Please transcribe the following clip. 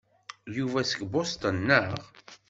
Yuba seg Boston, naɣ?